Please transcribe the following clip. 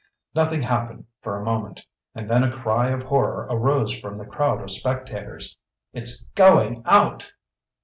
Nothing happened for a moment. And then a cry of horror arose from the crowd of spectators. "It's going out!"